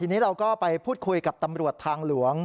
ทีนี้เราก็ไปพูดคุยกับตำรวจทางหลวง